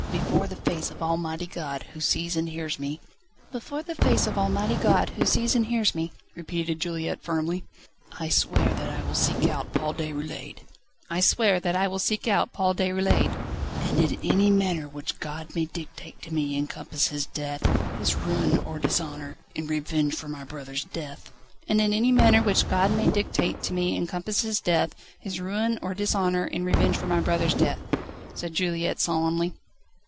"Before the face of Almighty God, who sees and hears me ..." "Before the face of Almighty God, who sees and hears me," repeated Juliette firmly. "I swear that I will seek out Paul Déroulède." "I swear that I will seek out Paul Déroulède." "And in any manner which God may dictate to me encompass his death, his ruin or dishonour, in revenge for my brother's death." "And in any manner which God may dictate to me encompass his death, his ruin or dishonour, in revenge for my brother's death," said Juliette solemnly.